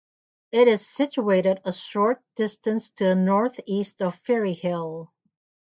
It is situated a short distance to the north-east of Ferryhill.